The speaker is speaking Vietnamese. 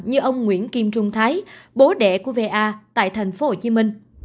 như ông nguyễn kim trung thái bố đẻ của va tại tp hcm